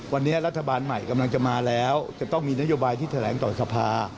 วันนี้รัฐบาลใหม่กำลังจะมาแล้วจะต้องมีนโยบายที่แถลงต่อสภา